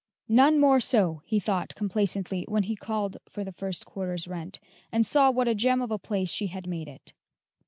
"None more so," he thought complacently when he called for the first quarter's rent, and saw what a gem of a place she had made it.